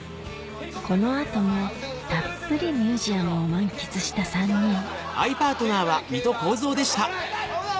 この後もたっぷりミュージアムを満喫した３人競馬やん競馬危ない！